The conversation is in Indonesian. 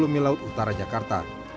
enam puluh mil laut utara jakarta